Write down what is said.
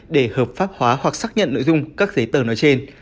để hợp pháp hóa hoặc xác nhận nội dung các giấy tờ nói trên